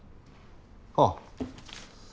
ああ。